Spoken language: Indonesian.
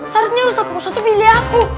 seharusnya ustaz musa tuh pilih aku